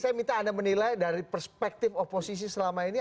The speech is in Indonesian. saya minta anda menilai dari perspektif oposisi selama ini